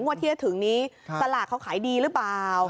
ว่าจะถึงนี้สลากเขาขายดีหรือเปล่า